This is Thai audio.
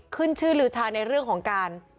ขึ้นชื่อลือทาในเรื่องของการ